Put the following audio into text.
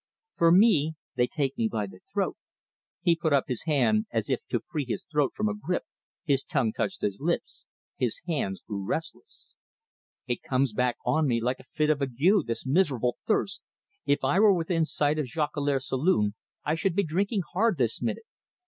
For me they take me by the throat " He put his hand up as if to free his throat from a grip, his tongue touched his lips, his hands grew restless. "It comes back on me like a fit of ague, this miserable thirst. If I were within sight of Jolicoeur's saloon, I should be drinking hard this minute.